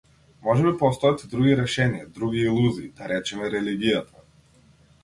Можеби постојат и други решенија, други илузии, да речеме религијата.